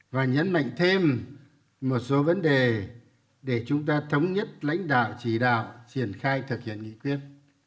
và nhấn mạnh thêm một số vấn đề để chúng ta thống nhất lãnh đạo chỉ đạo triển khai thực hiện nghị quyết